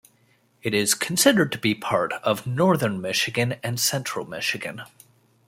It is considered to be part of Northern Michigan and Central Michigan.